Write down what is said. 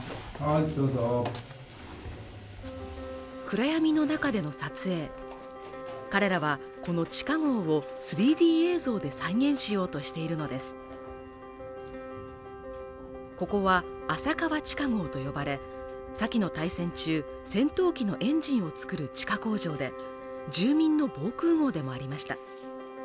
暗闇の中での撮影彼らはこの地下壕を３Ｄ映像で再現しようとしているのですここは浅川地下壕と呼ばれ先の大戦中戦闘機のエンジンを作る地下工場で住民の防空壕でもありました